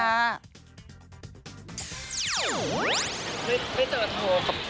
ไม่เจอโทร